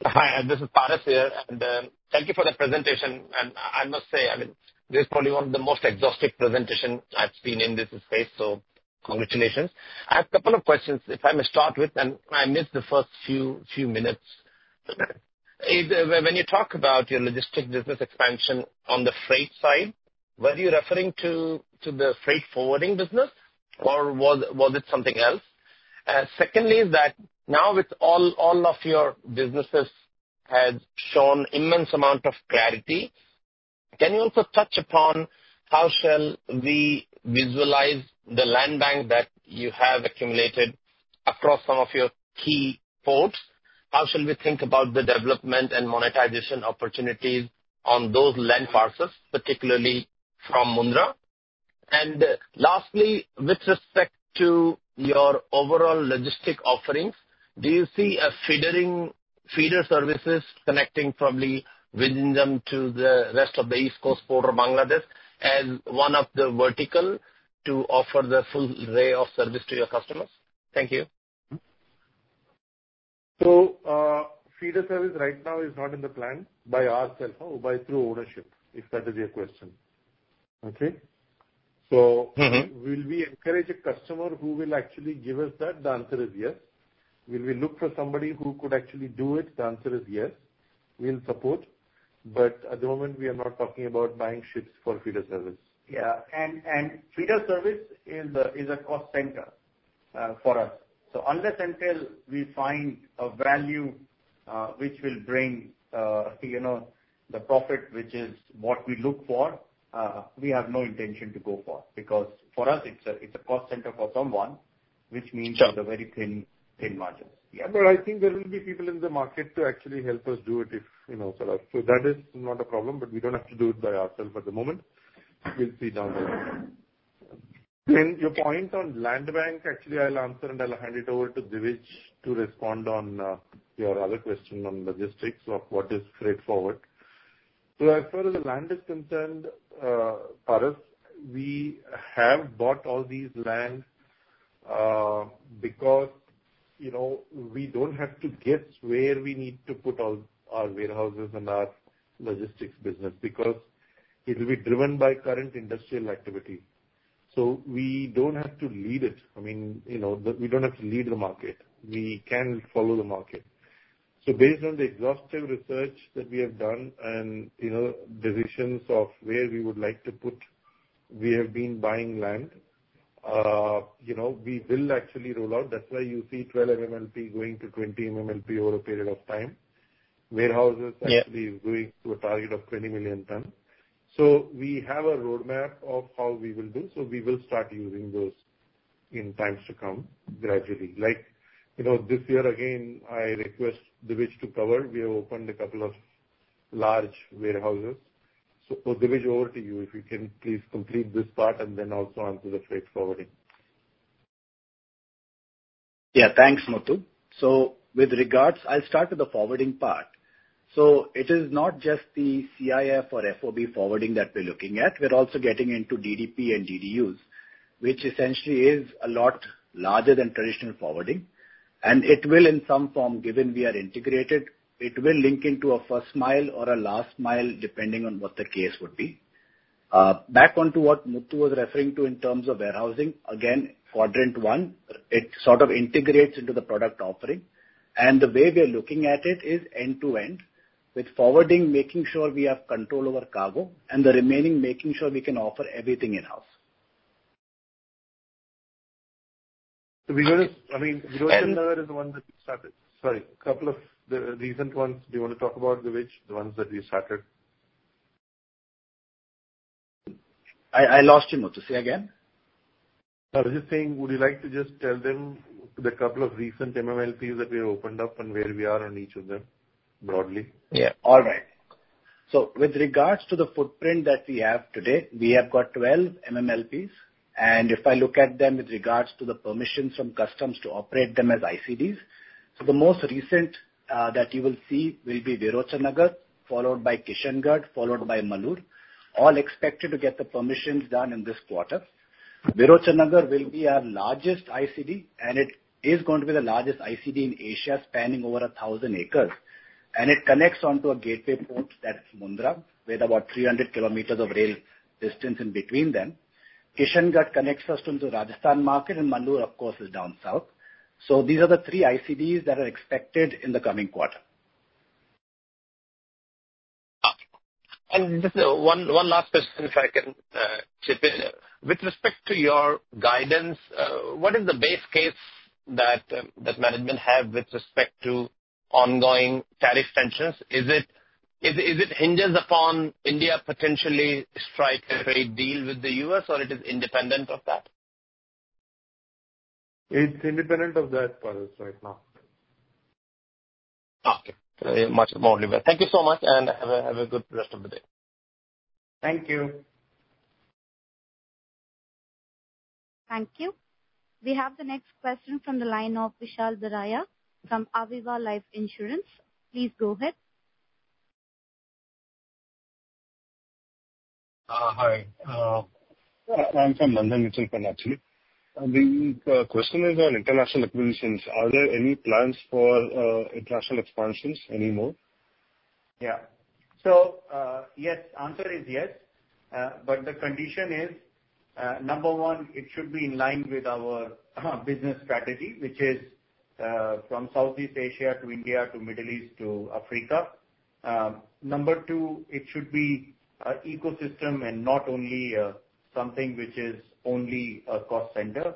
S11: Hi, this is Parash here and thank you for the presentation and I must say, I mean this is probably one of the most exhaustive presentations I've seen in this space. Congratulations. I have a couple of questions if I may start with. I missed the first few minutes. When you talk about your logistics business expansion on the freight side, were you referring to the freight forwarding business or was it something else? Secondly, now with all of your businesses, you have shown immense amount of clarity. Can you also touch upon how shall we visualize the land bank that you have accumulated across some of your key ports? How shall we think about the development and monetization opportunities on those land parcels, particularly from Mundra? Lastly, with respect to your overall logistics offerings, do you see feeder services connecting probably within them to the rest of the east coast port or Bangladesh as one of the verticals to offer the full array of services to your customers? Thank you.
S3: Feeder service right now is not in the plan by ourselves, by through ownership, if that is your question. Okay, will we encourage a customer who will actually give us that? The answer is yes. Will we look for somebody who could actually do it? The answer is yes, we'll support. At the moment we are not talking about buying ships for feeder service.
S5: Yeah, and feeder service is a cost center for us. Unless until we find a value which will bring, you know, the profit which is what we look for, we have no intention to go for because for us it's a cost center for someone, which means very thin, thin margins. Yeah,
S3: I think there will be. People in the market to actually help us do it. If so, that is not a problem. We do not have to do it by ourselves at the moment. We will see down the line. Your point on land bank, actually I will answer, and I will hand it over to Divij to respond on your other question on logistics of what is straightforward. As far as the land is. Concerned, Paris, we have bought all this land because we do not have to guess where we need to put all our warehouses and our logistics business because it will be driven by current industrial activity. We do not have to lead it. I mean, we do not have to lead the market. We can follow the market. Based on the exhaustive research that we have done and decisions of where we would like to put, we have been buying land we will actually roll out. That is why you see 12 MMLP going to 20 MMLP over a period of time. Warehouses actually going to a target of 20 million tonnes. We have a roadmap of how we will do so. We will start using those in times to come gradually, like, you know, this year again I request Divij to cover. We have opened a couple of large warehouses. Divij, over to you if you can please complete this part and then also answer the freight forwarding.
S7: Yeah, thanks Muthu. With regards, I'll start with the forwarding part. It is not just the CIF or FOB forwarding that we're looking at. We're also getting into DDP and DDUs, which essentially is a lot larger than traditional forwarding. It will, in some form, given we are integrated, link into a first mile or a last mile depending on what the case would be. Back onto what Muthu was referring to in terms of warehousing. Again, quadrant one, it sort of integrates into the product offering, and the way we are looking at it is end to end with forwarding, making sure we have control over cargo and the remaining, making sure we can offer everything in house.
S3: Sorry, couple of the recent ones. Do you want to talk about the which the ones that we started?
S7: I lost him. To say again, I was just saying.
S3: Would you like to just tell them the couple of recent MMLPs that we opened up and where we are on each of them broadly?
S7: Yeah. All right. So with regards to the footprint that we have today, we have got 12 MMLPs and if I look at them with regards to the permissions from customs to operate them as ICDs. The most recent that you will see will be Virochanagar, followed by Kishangarh, followed by Mallur. All expected to get the permissions done in this quarter. Virochanagar will be our largest ICD and it is going to be the largest ICD in Asia spanning over 1,000 acres and it connects onto a gateway port, that's Mundra, with about 300 km of rail distance in between them. Kishangarh connects us to Rajasthan market and Mallur of course is down south. These are the three ICDs that are expected in the coming quarter.
S11: One last question, if I can chip in with respect to your guidance, what is the base case that management have with respect to ongoing tariff sanctions? Is it hinders upon India potentially strike a trade deal with the U.S. or is it independent of that?
S3: It's independent of that for us right now.
S11: Okay. Much more limited. Thank you so much and have a good rest of the day.
S5: Thank you.
S1: Thank you. We have the next question from the line of Vishal Biraia from Aviva Life Insurance. Please go ahead.
S12: Hi, I'm from Bandhan Mutual Fund. Financially the question is on international acquisitions. Are there any plans for international expansions anymore?
S5: Yeah, so yes, answer is yes, but the condition is, number one, it should be in line with our business strategy which is from Southeast Asia to India. To Middle East to Africa. Number two, it should be an ecosystem and not only something which is only a cost center.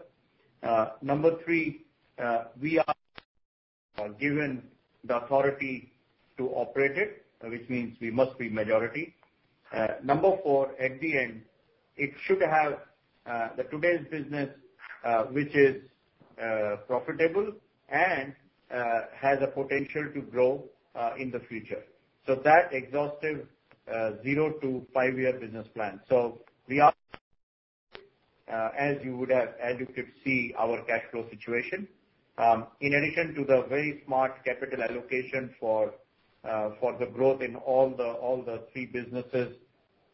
S5: Number three, we are given the authority to operate it, which means we must be majority. Number four, at the end it should have today's business which is profitable and has a potential to grow in the future. That exhaustive zero to five year business plan. As you could see, our cash flow situation, in addition to the very smart capital allocation for the growth in all the three businesses,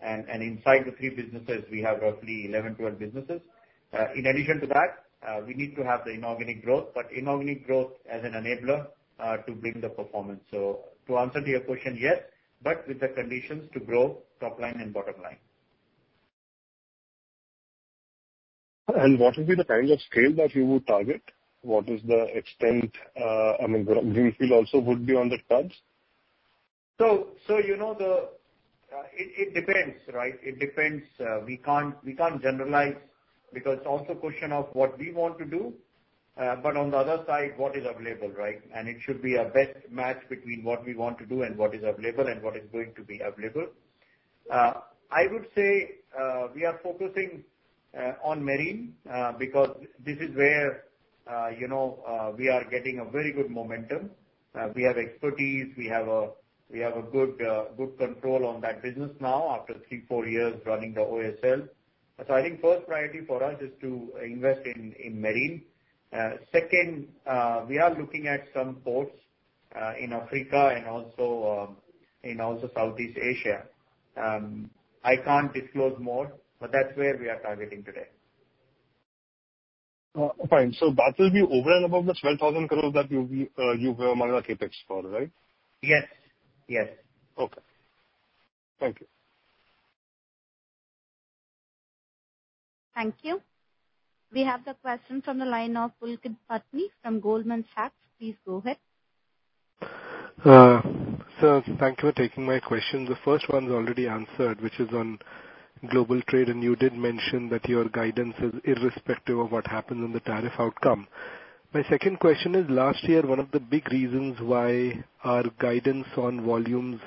S5: and inside the three businesses we have roughly 11-12 businesses. In addition to that, we need to have the inorganic growth, but inorganic growth as an enabler to bring the performance. To answer to your question, yes. With the conditions to grow top. Line and bottom line.
S12: What will be the kind of. Scale that you would target? What is the extent? I mean Greenfield also would be on the cards.
S5: You know, it depends, right? It depends. We can't generalize because it's also a question of what we want to do. On the other side, what is available, right? It should be a best match between what we want to do and what is available and what is going to be available. I would say we are focusing on marine because this is where, you know, we are getting a very good momentum. We have expertise, we have a good control on that business now after three, four years running the OSL. I think first priority for us is to invest in marine. Second, we are looking at some ports in Africa and also in Southeast Asia. I can't disclose more, but that's where we are targeting today.
S12: Fine. That will be over and above the 12,000 crore that you were among the CapEx for, right?
S5: Yes. Yes.
S12: Okay, thank you.
S1: Thank you. We have the question from the line of Pulkit Patni from Goldman Sachs. Please go ahead.
S13: Sir. Thank you for taking my question. The first one is already answered which is on global trade and you did mention that your guidance is irrespective of what happens in the tariff outcome. My second question is last year one of the big reasons why our guidance on volumes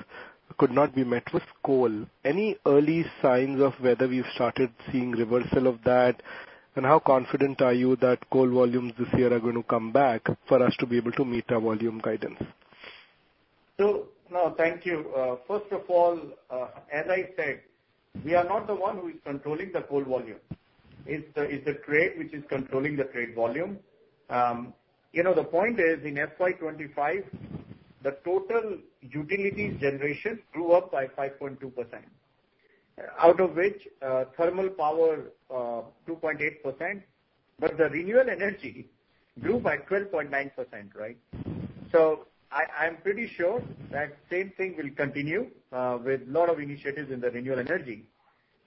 S13: could not be met was coal. Any early signs of whether we've started seeing reversal of that and how confident are you that coal volumes this year are going to come back for us to be able to meet our volume guidance?
S5: No, thank you. First of all, as I said, we are not the one who is controlling the coal volume. It is the trade which is controlling the trade volume. You know, the point is in FY 2025 the total utility generation grew up by 5.2% out of which thermal power 2.8% but the renewable energy grew by 12.9%. Right. I am pretty sure that same thing will continue with a lot of initiatives in the renewable energy.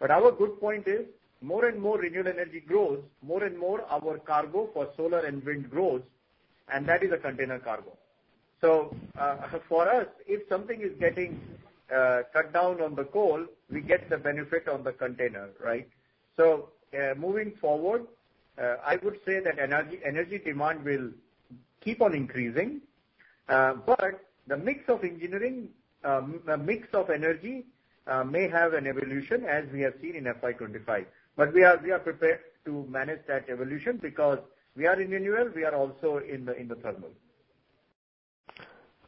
S5: Our good point is more and more renewable energy grows, more and more our cargo for solar and wind grows and that is a container cargo. For us, if something is getting cut down on the coal, we get the benefit on the container. Right. Moving forward, I would say that energy demand will keep on increasing. The mix of engineering, mix of energy may have an evolution as we have seen in FY 25. We are prepared to manage that evolution because we are in renewal. We are also in the thermal.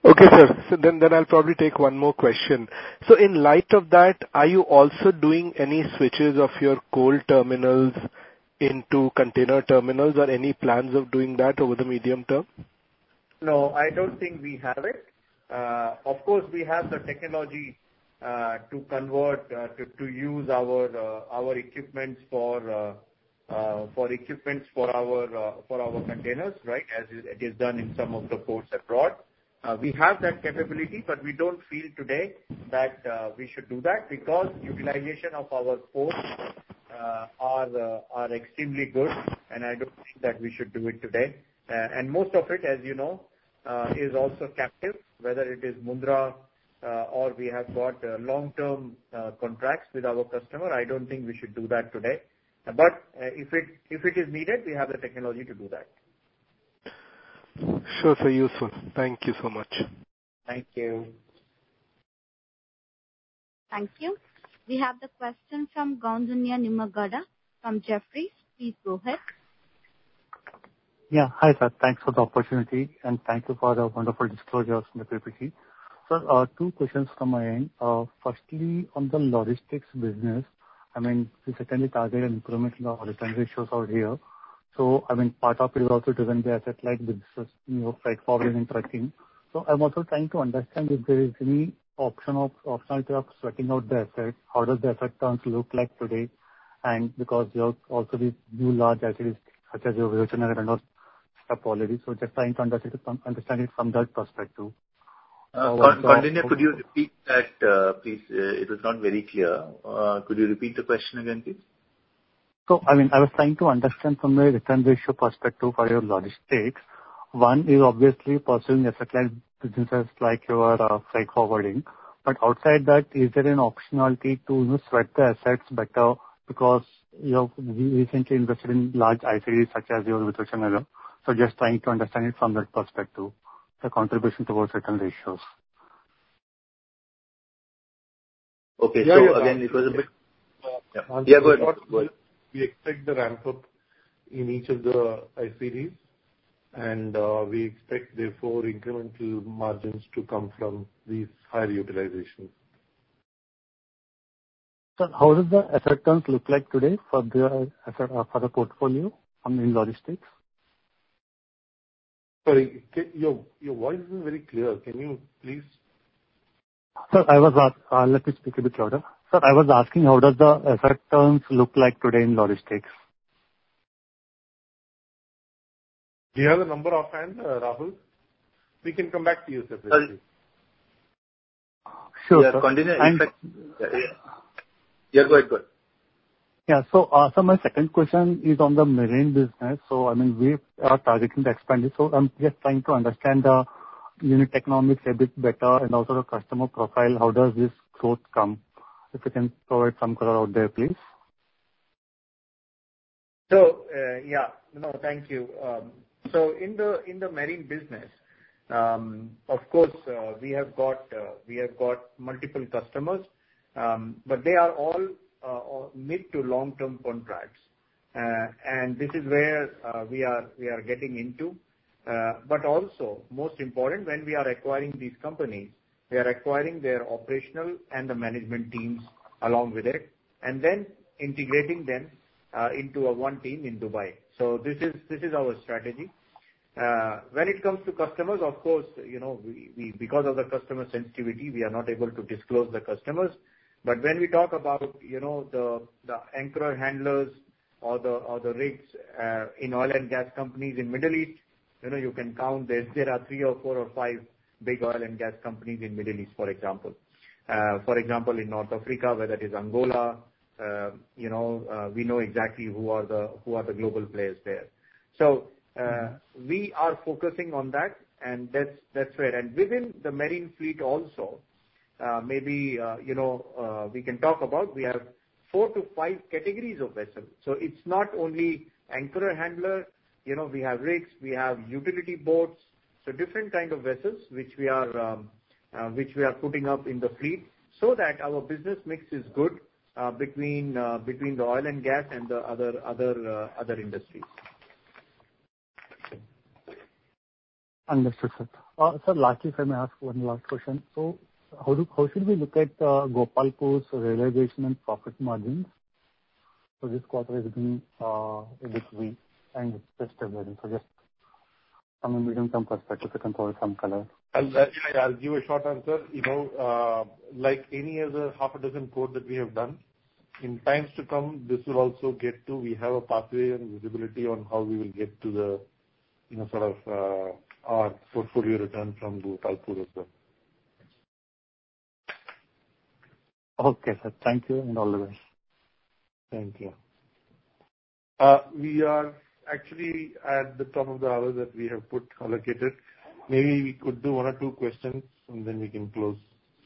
S13: Okay, sir, then I'll probably take one more question. In light of that, are you? Also, doing any switches of your coal terminals into container terminals or any plans of doing that over the medium term?
S5: No, I don't think we have it. Of course we have the technology to convert to use our equipment for our containers. Right. As it is done in some of the ports abroad, we have that capability, but we don't feel today that we should do that because utilization of our ports is extremely good. I don't think that we should do it today. Most of it, as you know, is also captive. Whether it is Mundra or we have got long-term contracts with our customer. I don't think we should do that today. If it is needed, we have the technology to do that.
S13: Sure. Thank you so much.
S5: Thank you.
S1: Thank you. We have the question from Gondunya Nimagada from Jefferies. Please go ahead.
S14: Yeah. Hi sir, thanks for the opportunity and. Thank you for the wonderful disclosures in the ppt. Two questions come in. Firstly, on the logistics business, I mean we certainly target an incremental or a. Country shows out here. I mean part of it is. Also driven by asset-light business, New York and trucking. I'm also trying to understand if there is any option of optional truck. Sweating out the asset. How does the effect terms look like today? Because you have also these new large ICDs such as your Virochanagar. Just trying to understand it from that perspective.
S4: Could you repeat that please? It was not very clear. Could you repeat the question again please?
S14: I mean, I was trying to understand from a return ratio perspective for your logistics, one is obviously pursuing asset. Line businesses like your freight forwarding, but. Outside that, is there an optionality to? Sweat the assets better. Because you have recently invested in large. ICDs such as your. Just trying to understand it from. That perspective, the contribution towards certain ratios.
S5: Okay, so again, it was a bit.
S3: Yeah, go ahead. We expect the ramp up in each of the ICDs and we expect therefore incremental margins to come from these higher utilization.
S14: How does the assertions look like today for the portfolio? I mean, logistics?
S3: Sorry, your voice is very clear. Can you please?
S14: I was. Let me speak a bit louder, sir. I was asking how does the assertions look like today in logistics?
S3: We have the number of hand raffles. We can come back to you, sir. Yeah, go ahead. Good.
S14: Yeah. My second question is on the marine business. I mean we are targeting the expanded. I'm just trying to understand the unit economics a bit better and also the customer profile. How does this growth come?
S5: If you can provide some color out there, please. Yeah, no, thank you. In the marine business, of course we have got multiple customers, but they are all mid to long term contracts. This is where we are getting into. Also, most important, when we are acquiring these companies, we are acquiring their operational and management teams along with it and then integrating them into one team in Dubai. This is our strategy when it comes to customers. Of course, because of the customer sensitivity, we are not able to disclose the customers. When we talk about the anchor handlers or the rigs in oil and gas companies in Middle East, you can count there are three or four or five big oil and gas companies in Middle East. For example, in North Africa, where that is Angola, we know exactly who are the global players there. We are focusing on that. That's where within the marine fleet also, maybe we can talk about, we have four to five categories of vessels. It's not only anchor handler, we have rigs, we have utility boats, so different kind of vessels which we are putting up in the fleet so that our business mix is good between the oil and gas. The other industries.
S14: Understood, sir. Lastly, if I may ask one last question. How should we look at Gopalpur's realization? Profit margins for this quarter have been a bit weak. Just some perspective, if you can provide some color.
S3: I'll give a short answer. You know, like any other half a dozen ports that we have done, in times to come this will also get to. We have a pathway and visibility on how we will get to the, you know, sort of our portfolio return from.
S14: Okay, sir, thank you and all the rest.
S3: Thank you. We are actually at the top of the hour that we have allocated. Maybe we could do one or two questions and then we can close.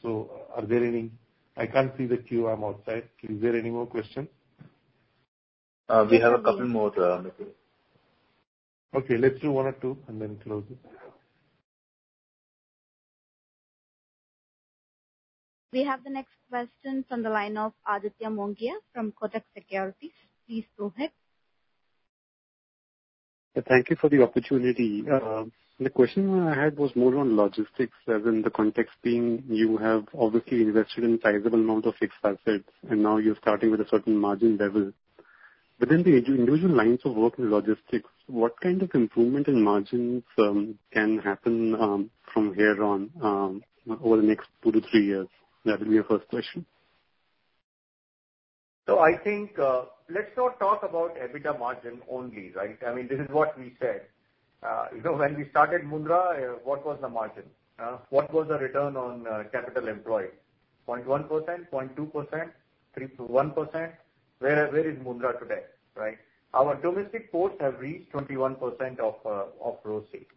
S3: Are there any? I cannot see the queue. I am outside. Is there any more questions?
S4: We have a couple more.
S3: Okay, let's do one or two and then close it.
S1: We have the next question from the line of Aditya Mongia from Kotak Securities. Please go ahead.
S15: Thank you for the opportunity. The question I had was more on. Logistics as in the context being you have obviously invested in sizable amount of fixed assets. Now you're starting with a certain margin level within the individual lines of work in logistics. What kind of improvement in margins can happen from here on over the next? Two to three years? That will be a first quarter.
S5: I think let's not talk about EBITDA margin only, right? I mean this is what we said, you know when we started Mundra. What was the margin? What was the return on Capital Employed? 0.1%, 0.2%, 3.1%. Where is Mundra today? Right. Our domestic ports have reached 21% of ROCE.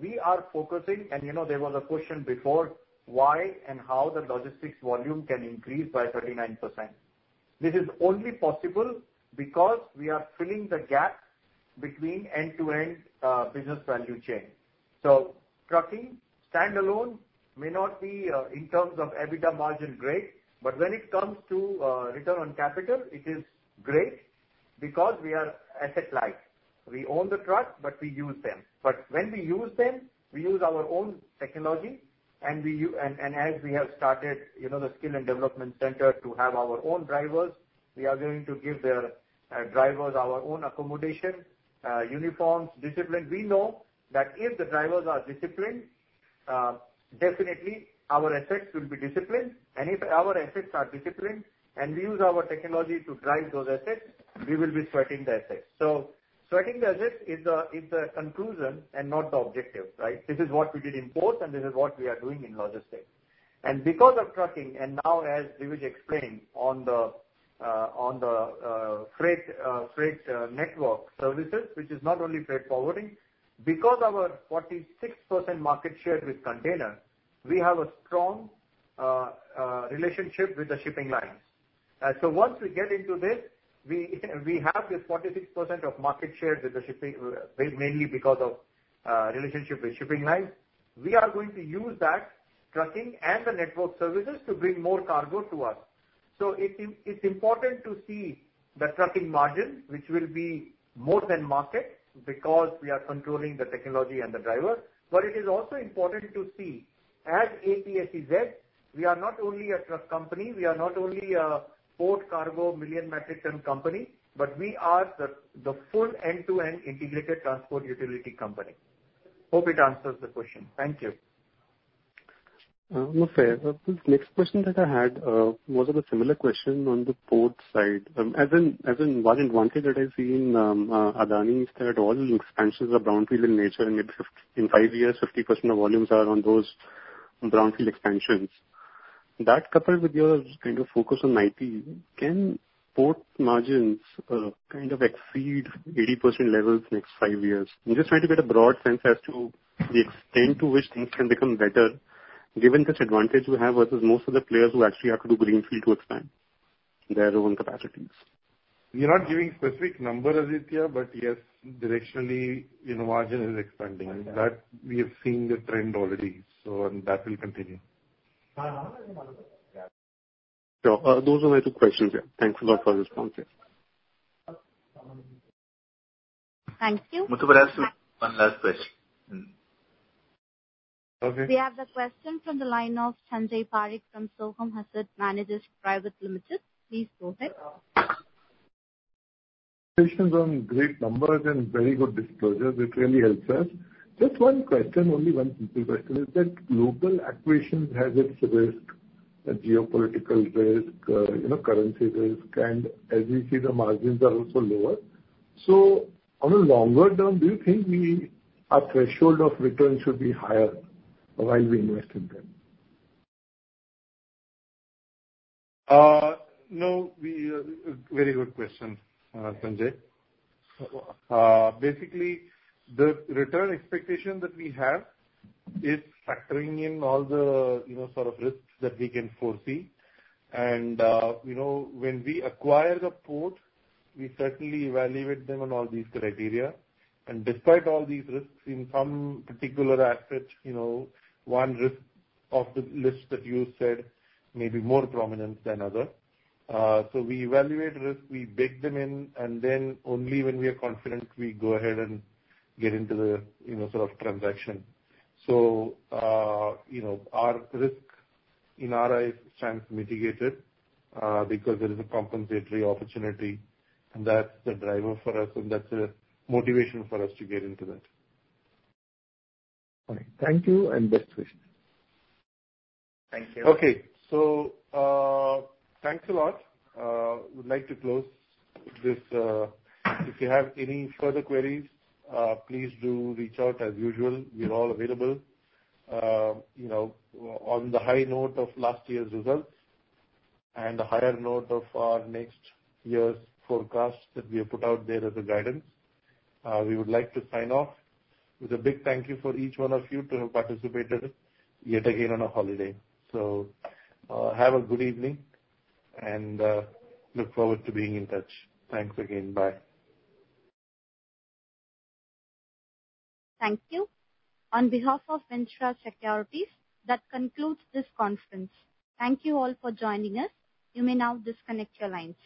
S5: We are focusing. You know there was a question before why and how the logistics volume can increase by 39%. This is only possible because we are filling the gap between end to end business value chain. Trucking standalone may not be in terms of EBITDA margin grade. When it comes to return on capital it is great. We are asset light. We own the truck but we use them. When we use them, we use our own technology. As we have started the skill and development center to have our own drivers, we are going to give their drivers our own accommodation, uniforms, discipline. We know that if the drivers are disciplined, definitely our assets will be disciplined. If our assets are disciplined and we use our technology to drive those assets, we will be sweating the assets. Sweating the assets is the conclusion and not the objective. Right? This is what we did in port and this is what we are doing in logistics because of trucking. Now as Divij explained on the freight network services, which is not only freight forwarding, because our 46% market share with container, we have a strong relationship with the shipping line. Once we get into this, we have this 46% of market share mainly because of relationship with shipping lines. We are going to use that trucking and the network services to bring more cargo to us. It is important to see the trucking margin, which will be more than market because we are controlling the technology and the driver. It is also important to see as APSEZ, we are not only a truck company, we are not only a port cargo million metric ton company, but we are the full end-to-end integrated transport utility company. Hope it answers the question. Thank you.
S15: This next question that I had was. A similar question on the port side. As in one advantage that I see. In Adani, is that all links to expansions are brownfield in nature, and in five years, 50% of volumes are on those brownfield expansions. That, coupled with your kind of focus. On Nike, can port margins kind of. Exceed 80% levels next five years? I'm just trying to get a broad. Sense as to the extent to which things can become better given such advantage we have versus most of the players who actually have to do Greenfield to expand their own capacity.
S3: We are not giving specific number, Azithya, but yes, directionally, you know, margin is expanding, that we have seen the trend already. That will continue.
S15: Those are my two questions. Thanks a lot for responses.
S1: Thank you.
S4: One last question.
S1: We have the question from the line of Sanjay Parikh from Soham Hassan Managers Private Limited. Please go ahead.
S16: Patience on great numbers and very good disclosures. It really helps us. Just one question, only one simple question is that global acquisitions has its risk, geopolitical risk, currency risk. As we see the margins are also lower. On a longer term, do you. Think our threshold of return should be higher while we invest in them?
S3: No. Very good question, Sanjay. Basically the return expectation that we have is factoring in all the sort of risks that we can foresee. When we acquire the port, we certainly evaluate them on all these criteria. Despite all these risks, in some particular assets, one risk of the list that you said may be more prominent than others. We evaluate risk, we bake them in, and then only when we are confident we go ahead and get into the sort of transaction. Our risk in our eyes stands mitigated because there is a compensation opportunity and that is the driver for us. That is a motivation for us to get into that.
S16: Thank you and best wishes.
S3: Thank you. Okay, so thanks a lot. Would like to close this. If you have any further queries, please do reach out. As usual, we're all available on the high note of last year's results and a higher note of our next year's forecast that we have put out there as a guidance. We would like to sign off with a big thank you for each one of you to have participated yet again on a holiday. Have a good evening and look forward to being in touch. Thanks again. Bye.
S1: Thank you. On behalf of Ventura Securities, that concludes this conference. Thank you all for joining us. You may now disconnect your lines.